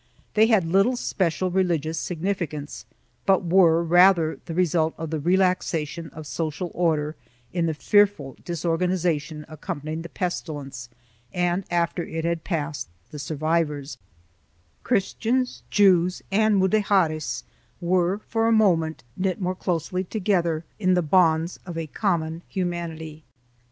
They had little special religious significance, but were rather the result of the relaxation of social order in the fearful disorganization accompanying the pestilence and, after it had passed, the survivors, Christians, Jews and Mudejares were for a moment knit more closely together in the bonds of a common humanity.